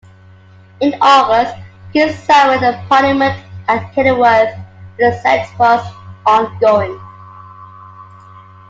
In August, the king summoned a parliament at Kenilworth, where the siege was ongoing.